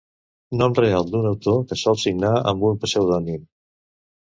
Nom real d'un autor que sol signar amb un pseudònim.